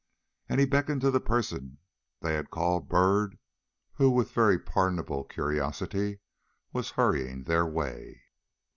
And he beckoned to the person they had called Byrd, who with very pardonable curiosity was hurrying their way.